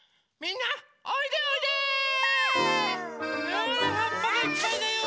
ほらはっぱがいっぱいだよ！